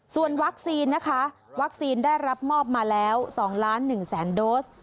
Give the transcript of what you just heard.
ส่วนวัคซีนนะคะวัคซีนได้รับมอบมาแล้ว๒ล้าน๑แสนโดส